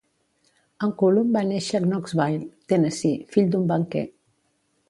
En Cullum va néixer a Knoxville, Tennessee, fill d'un banquer.